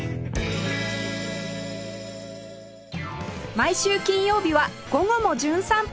毎週金曜日は『午後もじゅん散歩』